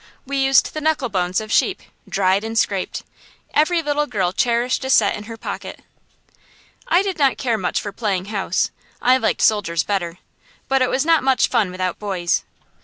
We used the knuckle bones of sheep, dried and scraped; every little girl cherished a set in her pocket. I did not care much for playing house. I liked soldiers better, but it was not much fun without boys.